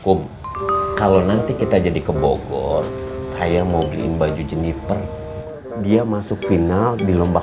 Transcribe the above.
kum kalau nanti kita jadi ke bogor saya mau beliin baju jenniper dia masuk final di lomba